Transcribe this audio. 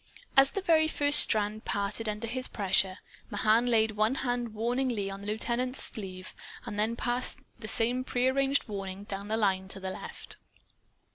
As the very first strand parted under his pressure, Mahan laid one hand warningly on the lieutenant's sleeve, and then passed the same prearranged warning down the line to the left.